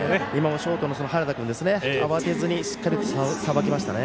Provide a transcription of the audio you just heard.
ショートの原田君慌てずにしっかりとさばきましたね。